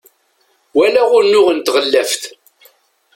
walaɣ unuɣ n tɣellaft